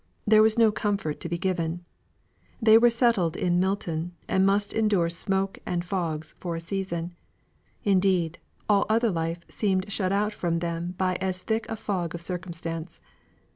There was no comfort to be given. They were settled in Milton, and must endure smoke and fogs for a season; indeed, all other life seemed shut out from them by as thick a fog of circumstance.